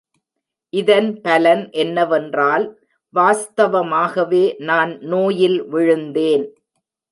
இதன் பலன் என்னவென்றால் வாஸ்தவமாகவே, நான் நோயில் விழுந்தேன்!